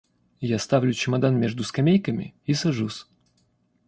Я ставлю чемодан между скамейками и сажусь.